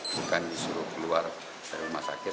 bukan disuruh keluar dari rumah sakit